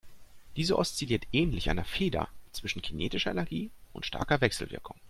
Diese oszilliert ähnlich einer Feder zwischen kinetischer Energie und starker Wechselwirkung.